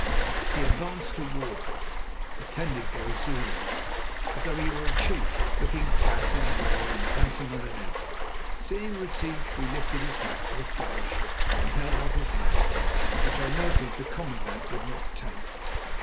He advanced towards us attended by Zulus, as though he were a chief, looking fat and well and handsomer than ever. Seeing Retief, he lifted his hat with a flourish and held out his hand, which, I noted, the commandant did not take.